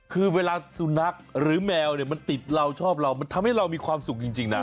คือเวลาสุนัขหรือแมวเนี่ยมันติดเราชอบเรามันทำให้เรามีความสุขจริงนะ